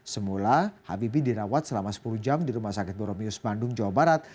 semula habibie dirawat selama sepuluh jam di rumah sakit boromius bandung jawa barat